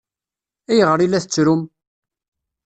Ayɣer i la tettrum?